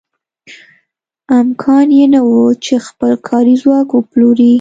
امکان یې نه و چې خپل کاري ځواک وپلوري.